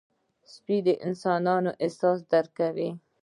سپي د انسانانو احساس درک کوي.